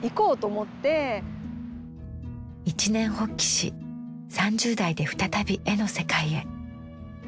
一念発起し３０代で再び絵の世界へ。